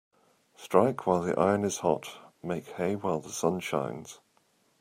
Strike while the iron is hot Make hay while the sun shines.